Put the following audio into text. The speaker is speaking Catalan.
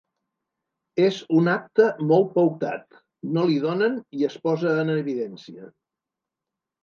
És un acte molt pautat, no li donen i es posa en evidència.